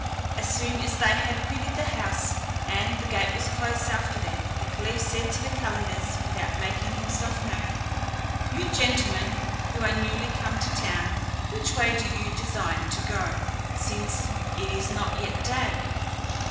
As soon as they had quitted the house, and the gate was closed after them, the caliph said to the calenders, without making himself known, "You gentlemen, who are newly come to town, which way do you design to go, since it is not yet day?"